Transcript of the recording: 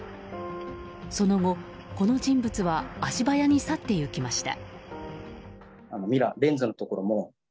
その後、この人物は足早に去っていきました。